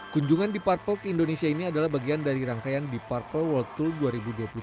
kunjungan deep purple ke indonesia ini adalah bagian dari rangkaian deep purple world tour dua ribu dua puluh tiga